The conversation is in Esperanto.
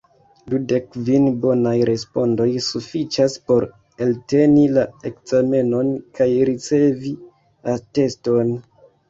Dudekkvin bonaj respondoj sufiĉas, por elteni la ekzamenon kaj ricevi ateston.